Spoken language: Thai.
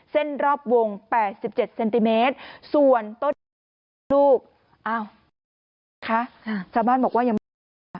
เส้นรอบวง๘๗เซนติเมตรส่วนต้นยาง๒ลูกนะคะชาวบ้านบอกว่ายังไม่เชื่อ